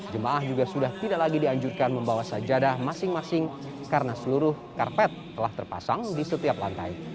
jemaah juga sudah tidak lagi dianjurkan membawa sajadah masing masing karena seluruh karpet telah terpasang di setiap lantai